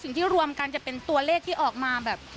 รวมกันจะเป็นตัวเลขที่ออกมาแบบ